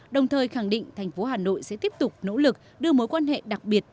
đồng thời khẳng định thành phố hà nội sẽ tiếp tục nỗ lực đưa mối quan hệ đặc biệt